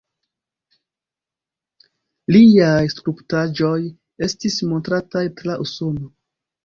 Liaj skulptaĵoj estis montrataj tra Usono.